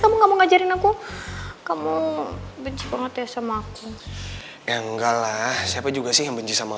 kamu gak mau ngajarin aku kamu benci banget ya sama aku ya enggak lah siapa juga sih yang benci sama